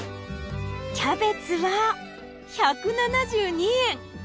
キャベツは１７２円。